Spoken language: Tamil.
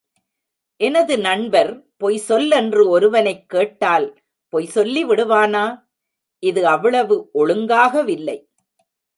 எனது நண்பர், பொய்சொல் என்று ஒருவனைக் கேட்டால் பொய் சொல்லிவிடுவானா? இது அவ்வளவு ஒழுங்காகவில்லை.